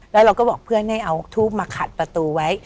แล้วเราก็บอกเพื่อนให้เอาทูบมาขัดประตูไว้